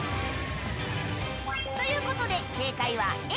ということで、正解はＡ。